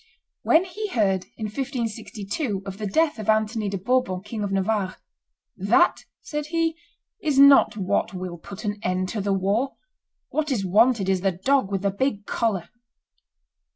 When he heard, in 1562, of the death of Anthony de Bourbon, King of Navarre, "That," said he, "is not what will put an end to the war; what is wanted is the dog with the big collar."